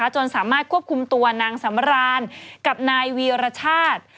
จนสามารถควบคุมตัวนางสำรานกับนายวีรชาติ